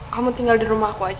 kamu tinggal di rumah aku aja